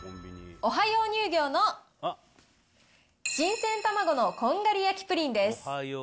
オハヨー乳業の新鮮卵のこんがり焼プリンです。